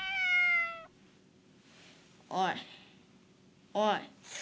「おいおい」。